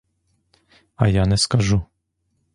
А я не скажу!